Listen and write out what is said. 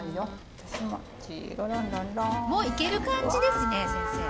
もういける感じですね先生。